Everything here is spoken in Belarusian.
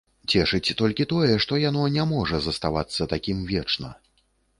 Цешыць толькі тое, што яно не можа заставацца такім вечна.